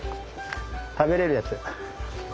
食べれるやつ。